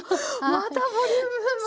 またボリューム満点の。